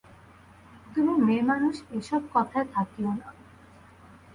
তুমি মেয়েমানুষ এ-সব কথায় থাকিয়ো না।